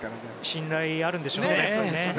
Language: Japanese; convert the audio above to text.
信頼があるんでしょうね。